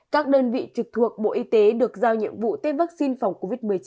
các đơn vị trực thuộc bộ y tế được giao nhiệm vụ tiêm vaccine phòng covid một mươi chín